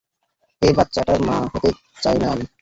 এই বাচ্চাটার মা হতে চাই না আমি!